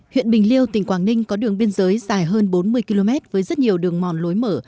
huyện bình liêu tỉnh quảng ninh có đường biên giới dài hơn bốn mươi km với rất nhiều đường mòn lối mở